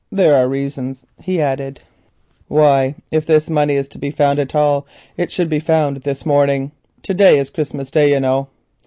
There are reasons," he added, "why, if this money is to be found at all, it should be found this morning. To day is Christmas Day, you know."